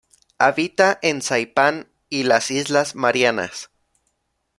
Habita en Saipan y las islas Marianas.